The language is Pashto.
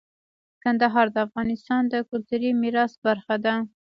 کندهار د افغانستان د کلتوري میراث برخه ده.